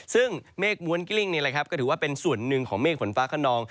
ซึ่งเมฆมวลกลิ้งนี้ก็ถือว่าเป็นส่วนหนึ่งของเมฆฝนฟ้าขนอง